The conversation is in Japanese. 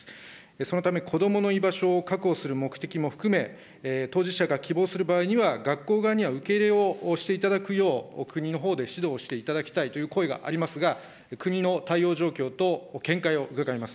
そのため子どもの居場所を確保する目的も含め、当事者が希望する場合には、学校側には受け入れをしていただくよう、国のほうで指導していただきたいという声がありますが、国の対応状況と見解を伺います。